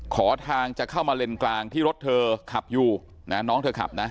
ขอทางจะเข้ามาเลนกลางที่รถเธอขับอยู่นะน้องเธอขับนะ